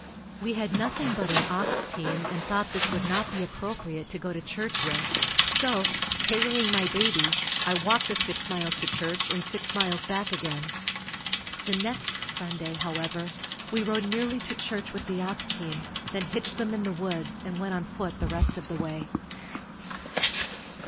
We had nothing but an ox team and thought this would not be appropriate to go to church with, so, carrying my baby, I walked the six miles to church and six miles back again. The next Sunday, however, we rode nearly to church with the ox team, then hitched them in the woods and went on foot the rest of the way.